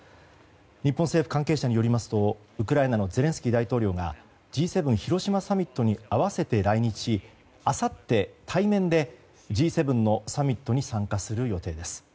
日本政府関係者によりますとウクライナのゼレンスキー大統領がＧ７広島サミットに合わせて来日しあさって、対面でＧ７のサミットに参加する予定です。